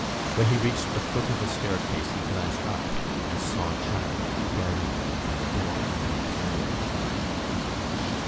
When he reached the foot of the staircase he glanced up and saw Jack regarding him from the door of the return room.